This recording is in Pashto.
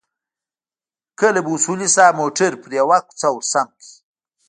کله به اصولي صیب موټر پر يوه کوڅه ورسم کړ.